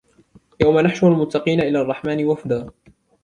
يوم نحشر المتقين إلى الرحمن وفدا